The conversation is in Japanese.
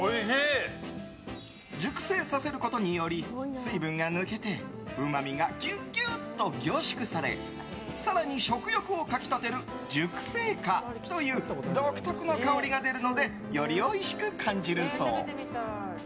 熟成させることにより水分が抜けてうまみがギュギュッと凝縮され更に食欲をかき立てる熟成香という独特の香りが出るのでよりおいしく感じるそう。